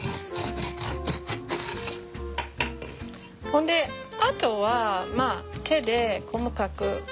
ほんであとはまあ手で細かく入れたらいい。